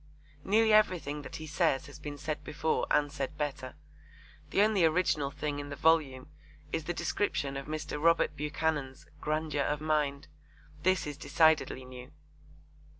Nearly everything that he says has been said before and said better. The only original thing in the volume is the description of Mr. Robert Buchanan's 'grandeur of mind.' This is decidedly new.